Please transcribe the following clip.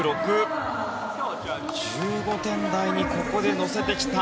１５点台にここで乗せてきた。